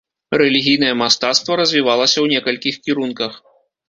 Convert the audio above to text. Рэлігійнае мастацтва развівалася ў некалькіх кірунках.